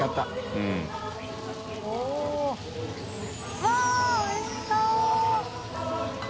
うわっおいしそう！